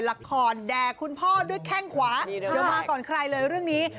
แทรกคุณพ่อด้วยแข้งขวาเดี๋ยวมาก่อนใครเลยเรื่องนี้